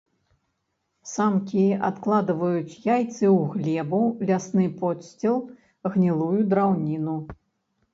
Самкі адкладваюць яйцы ў глебу, лясны подсціл, гнілую драўніну.